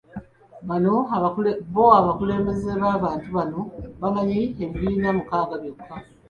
Bo abakulembeze b'abantu bano bamanyi ebibiina mukaaga byokka.